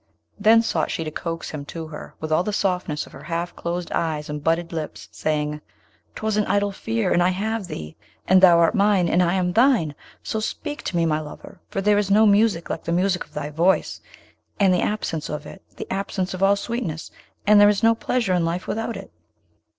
Then sought she to coax him to her with all the softness of her half closed eyes and budded lips, saying, ''Twas an idle fear! and I have thee, and thou art mine, and I am thine; so speak to me, my lover! for there is no music like the music of thy voice, and the absence of it is the absence of all sweetness, and there is no pleasure in life without it.'